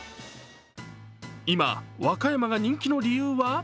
今、和歌山が人気の理由は？